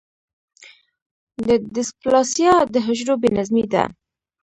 د ډیسپلاسیا د حجرو بې نظمي ده.